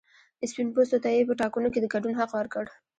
سپین پوستو ته یې په ټاکنو کې د ګډون حق ورکړ.